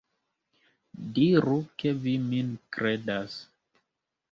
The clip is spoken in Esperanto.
Diru ke vi min kredas.